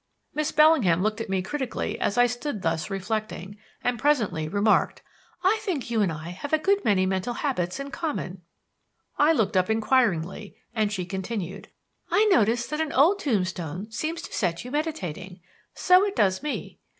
Miss Bellingham looked at me critically as I stood thus reflecting, and presently remarked: "I think you and I have a good many mental habits in common." I looked up inquiringly, and she continued: "I notice that an old tombstone seems to set you meditating. So it does me.